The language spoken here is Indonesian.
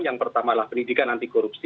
yang pertama adalah pendidikan anti korupsi